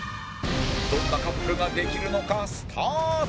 どんなカップルができるのかスタート